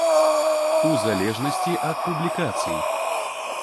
У залежнасці ад публікацый.